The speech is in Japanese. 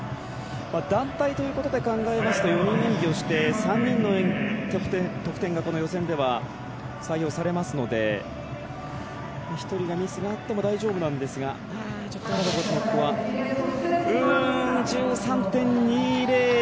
団体ということで考えますと４人演技して３人の得点がこの予選では採用されますので１人のミスがあっても大丈夫なんですが１３．２００